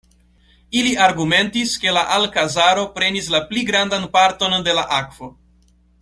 Ili argumentis, ke la Alkazaro prenis la pli grandan parton de la akvo.